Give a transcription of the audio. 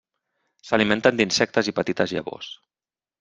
S'alimenten d'insectes i petites llavors.